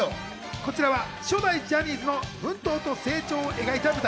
こちらは初代ジャニーズの奮闘と成長を描いた舞台。